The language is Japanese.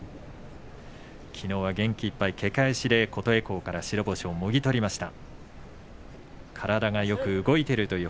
きのうは元気いっぱいけ返しで琴恵光から白星をもぎ取りました。